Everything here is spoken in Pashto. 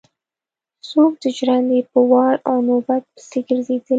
څوک د ژرندې په وار او نوبت پسې ګرځېدل.